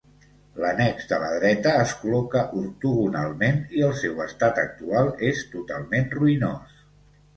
L’annex de la dreta, es col·loca ortogonalment, i el seu estat actual és totalment ruïnós.